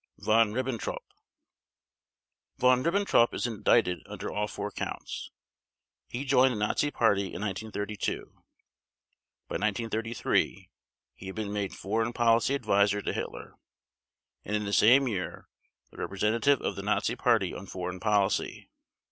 VON RIBBENTROP Von Ribbentrop is indicted under all four Counts. He joined the Nazi Party in 1932. By 1933 he had been made Foreign Policy Adviser to Hitler, and in the same year the representative of the Nazi Party on foreign policy.